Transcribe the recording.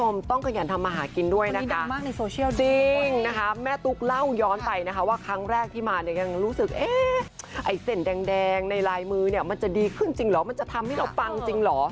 มันจะทำให้เราปังจริงหรอ